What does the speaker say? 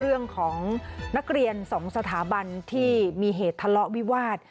เรื่องของนักเรียนสองสถาบันที่มีเหตุทะเลาะวิวาส